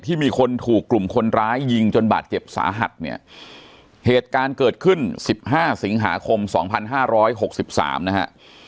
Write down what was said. ที่มีคนถูกกลุ่มคนร้ายยิงจนบาดเจ็บสาหัสเนี่ยเหตุการณ์เกิดขึ้น๑๕สิงหาคม๒๕๖๓นะฮะ